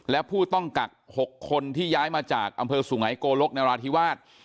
และผู้ต้องกัก๖คนที่ย้ายมาจากอำเภอสุไงโกลกนราธิวาส